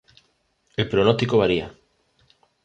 El pronóstico varía.